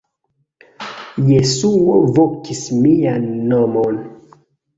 Jesuo vokis mian nomon.